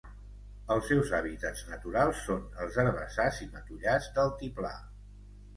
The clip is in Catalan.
Els seus hàbitats naturals són els herbassars i matollars d'altiplà.